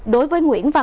đối với nguyễn văn văn